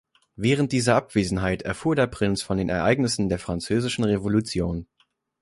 Während dieser Abwesenheit erfuhr der Prinz von den Ereignissen der Französischen Revolution.